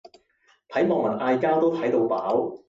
睇網民嗌交都睇到飽